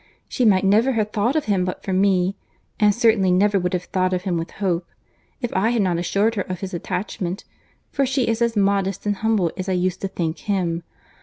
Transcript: She might never have thought of him but for me; and certainly never would have thought of him with hope, if I had not assured her of his attachment, for she is as modest and humble as I used to think him.